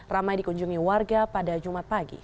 ramai dikunjungi warga pada jumat pagi